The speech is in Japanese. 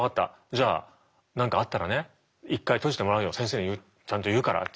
じゃあ何かあったらね一回閉じてもらうよ先生にちゃんと言うから」っていって。